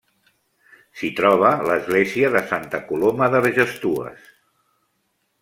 S'hi troba l'església de Santa Coloma d'Argestues.